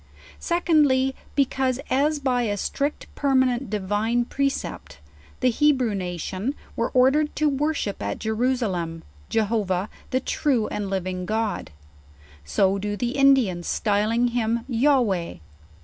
SecoddJy, because, as by a strict permanent divine precept, the Hebrew nation were ordered to worship at Jeru salem, Jehovah, the true and living God, so do tho Indians, styling him Yohewah.